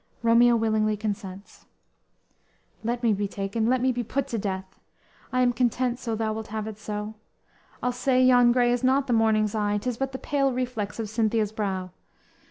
"_ Romeo willingly consents: _"Let me be taken, let me be put to death; I am content so thou wilt have it so; I'll say yon gray is not the morning's eye, 'Tis but the pale reflex of Cynthia's brow!